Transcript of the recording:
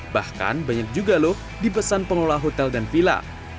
bahkan banyak juga loh dipesan pengolah hotel dan vila